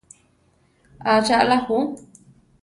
¿Acha alá ju?